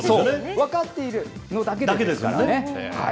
分かっているのだけですからね。